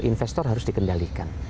investor harus dikendalikan